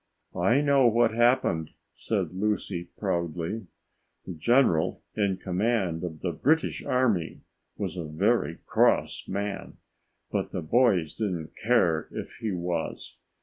"I know what happened," said Lucy proudly. "The general in command of the British army was a very cross man, but the boys didn't care if he was.